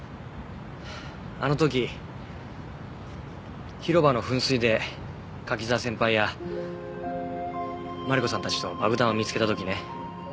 あの時広場の噴水で柿沢先輩やマリコさんたちと爆弾を見つけた時ね